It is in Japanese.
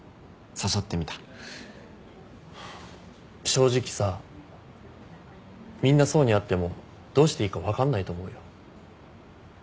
正直さみんな想に会ってもどうしていいか分かんないと思うよ。